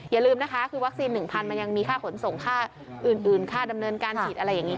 อย่าลืมนะคะคือวัคซีน๑๐๐มันยังมีค่าขนส่งค่าอื่นค่าดำเนินการฉีดอะไรอย่างนี้